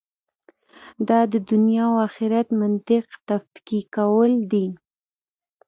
دا د دنیا او آخرت منطق تفکیکول دي.